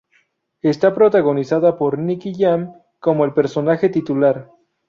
Está protagonizada por Nicky Jam como el personaje titular.